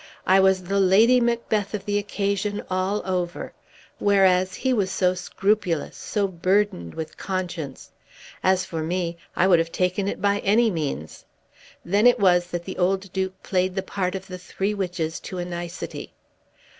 I was the Lady Macbeth of the occasion all over; whereas he was so scrupulous, so burdened with conscience! As for me, I would have taken it by any means. Then it was that the old Duke played the part of the three witches to a nicety.